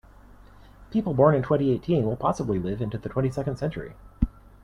People born in twenty-eighteen will possibly live into the twenty-second century.